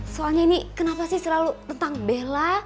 soalnya ini kenapa sih selalu tentang bella